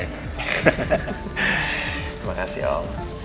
terima kasih om